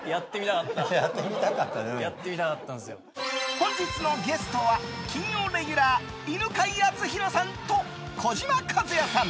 本日のゲストは金曜レギュラー犬飼貴丈さんと児嶋一哉さん。